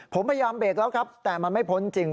ผมพยายามเบรกแล้วครับแต่มันไม่พ้นจริง